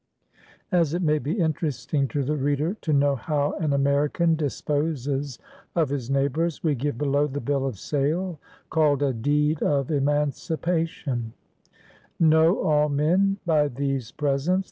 As it may be interesting to the reader to know how an Amer ican disposes of his neighbors, we give below the Bill of Sale, called a Deed of Emancipation :—" Knoio all men by these presents.